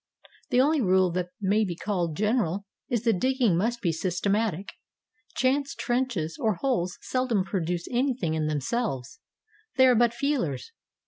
The only rule that may be called general is that digging must be systematic; chance trenches or holes seldom produce anything in themselves, — they are but feelers.